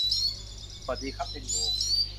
สวัสดีครับ เทนงุ !